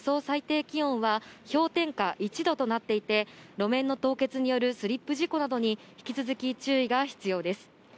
最低気温は、氷点下１度となっていて、路面の凍結によるスリップ事故などに、引き続き注意が必要です。